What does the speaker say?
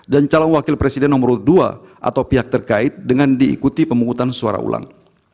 dan calon wakil presiden nomor dua atau pihak terkait dengan diikuti pemungutan suara ulang